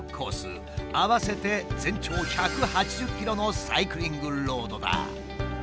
合わせて全長１８０ｋｍのサイクリングロードだ。